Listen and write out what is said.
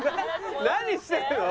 何してるの？